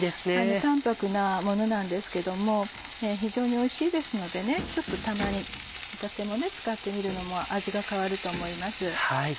淡泊なものなんですけども非常においしいですのでちょっとたまに使ってみるのも味が変わると思います。